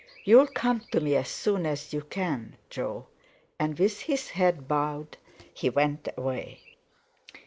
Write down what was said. You'll come to me as soon as you can, Jo," and with his head bowed he went away.